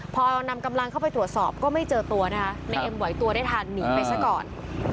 พอนำกำลังเข้าไปตรวจสอบก็ไม่เจอตัวนะคะในเอ็มไหวตัวได้ทันหนีไปซะก่อน